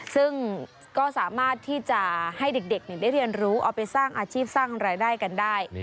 ซึ่งก็สามารถที่จะให้เด็กได้เรียนรู้เอาไปสร้างอาชีพสร้างรายได้กันได้